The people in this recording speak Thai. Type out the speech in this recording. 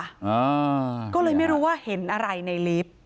อ่าก็เลยไม่รู้ว่าเห็นอะไรในลิฟต์